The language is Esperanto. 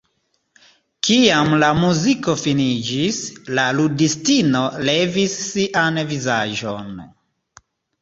Kiam la muziko finiĝis, la ludistino levis sian vizaĝon.